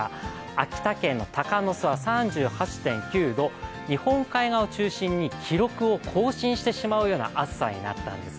秋田県の鷹巣は３８．９度、日本海側を中心に記録を更新してしまうような暑さになったんです